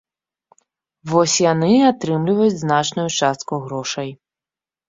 Вось яны атрымліваюць значную частку грошай.